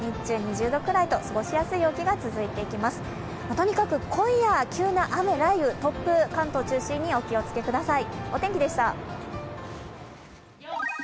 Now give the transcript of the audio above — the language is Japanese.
とにかく今夜急な雨、雷雨、突風関東を中心にお気をつけください。